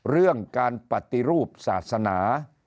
เรื่องการปฏิรูปศาสนา